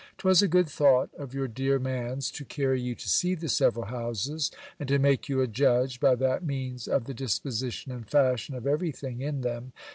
'Twas a good thought of your dear man's, to carry you to see the several houses, and to make you a judge, by that means, of the disposition and fashion of every thing in them.